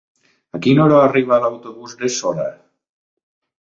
A quina hora arriba l'autobús de Sora?